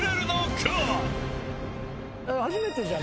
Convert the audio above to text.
初めてじゃ？